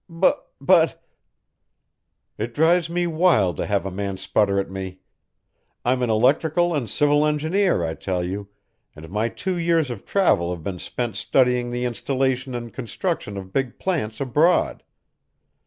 "Bu bu but " "It drives me wild to have a man sputter at me. I'm an electrical and civil engineer, I tell you, and my two years of travel have been spent studying the installation and construction of big plants abroad."